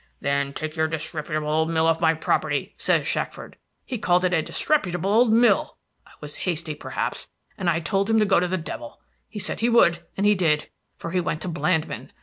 'Then take your disreputable old mill off my property!' says Shackford, he called it a disreputable old mill! I was hasty, perhaps, and I told him to go to the devil. He said he would, and he did; for he went to Blandmann.